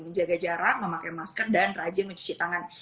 menjaga jarak memakai masker dan rajin mencuci tangan